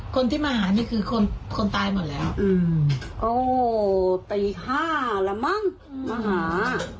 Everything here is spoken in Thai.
คนที่มาหานี่คือคนคนตายหมดแล้วโอ้ตี๕แล้วมั้งมาหา